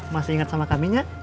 masih ingat sama kami nya